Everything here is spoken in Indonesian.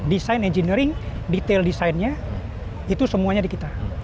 desain engineering detail desainnya itu semuanya di kita